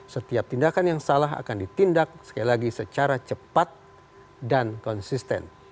setiap tindakan yang salah akan ditindak sekali lagi secara cepat dan konsisten